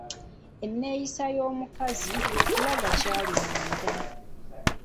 Enneeyisa y’omukazi yeekulaga ky’ali munda.